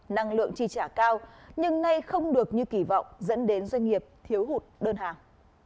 năng lượng trì trả cao nhưng nay không được như kỳ vọng dẫn đến doanh nghiệp thiếu hụt đơn hàng